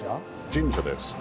神社です。